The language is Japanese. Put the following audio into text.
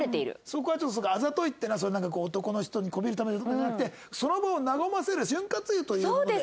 そこはあざといっていうのは男の人に媚びるためじゃなくてその場を和ませる潤滑油というもので。